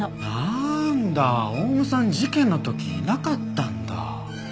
なんだオウムさん事件の時いなかったんだ。